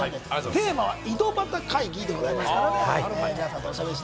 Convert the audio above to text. テーマは「井戸端会議」でございます。